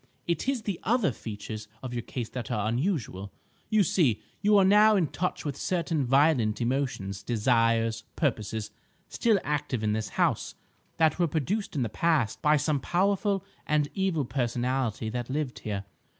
It is the other features of your case that are unusual. You see, you are now in touch with certain violent emotions, desires, purposes, still active in this house, that were produced in the past by some powerful and evil personality that lived here.